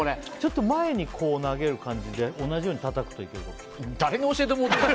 前に投げる感じで同じようにたたくといける。